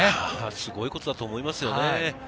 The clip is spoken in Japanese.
すごいことだと思います。